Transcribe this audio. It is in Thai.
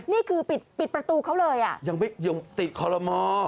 นี่คือปิดประตูเขาเลยอ่ะยังไม่ยังติดคอลโลมอ